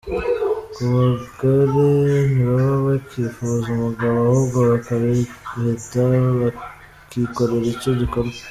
Ku bagore, ntibaba bakifuza umugabo ahubwo bakabibeta bakikorera icyo gikorwa.